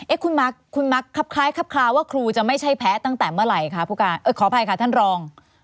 คุณมักครับคล้ายครับคลาวว่าครูจะไม่ใช่แพ้ตั้งแต่เมื่อไหร่คะผู้การเออขออภัยค่ะท่านรอง